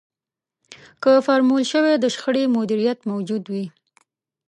که فورمول شوی د شخړې مديريت موجود وي.